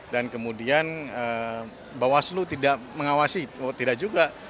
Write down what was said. dan kemudian bawaslu tidak mengawasi tidak juga